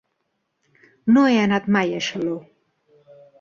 No he anat mai a Xaló.